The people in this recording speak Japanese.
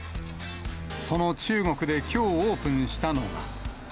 その中国できょうオープンしたのが。